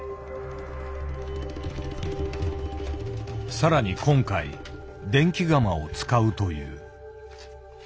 更に今回電気窯を使うという。